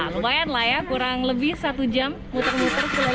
lumayan lah ya kurang lebih satu jam muter muter